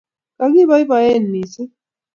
Kigiboeboen missing